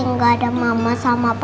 nggak ada mama sama papa